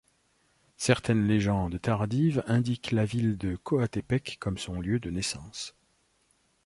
Certaines légendes tardives indiquent la ville de Coatepec comme son lieu de naissance.